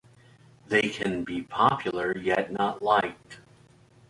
They can be popular yet not liked.